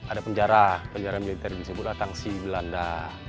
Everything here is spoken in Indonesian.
ada penjara penjara militer disebutlah tangsi belanda